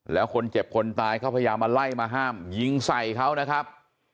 แล้วคนเจ็บคนตายเขาพยายามมาไล่มาห้ามยิงใส่เขานะครับ